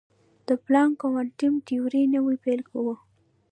د پلانک کوانټم تیوري نوې پیل وه.